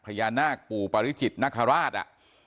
พญานาคปู่ปริจิตนคราช